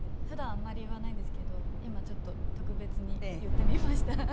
普段あんまり言わないんですけど今ちょっと特別に言ってみました。